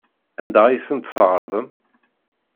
Anda ay tent-tɛerḍem?